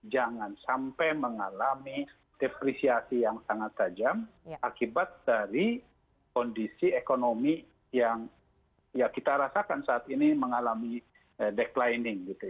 jangan sampai mengalami depresiasi yang sangat tajam akibat dari kondisi ekonomi yang ya kita rasakan saat ini mengalami declining